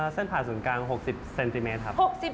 เส้นผ่าศูนย์กลาง๖๐เซนติเมตรครับ